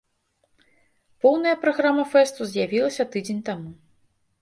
Поўная праграма фэсту з'явілася тыдзень таму.